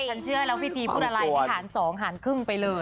ฉันเชื่อแล้วพี่พีพูดอะไรให้หาร๒หารครึ่งไปเลย